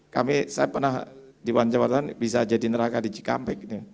kami saya pernah di luar jawa bisa jadi neraka di cikampek